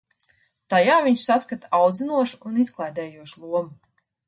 Tajās viņš saskata audzinošu un izklaidējošu lomu.